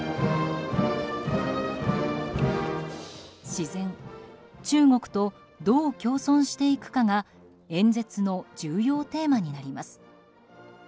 自然中国とどう共存していくかが演説の重要テーマになります。